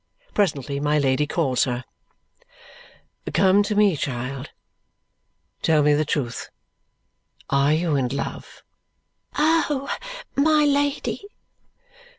Presently my Lady calls her. "Come to me, child. Tell me the truth. Are you in love?" "Oh! My Lady!"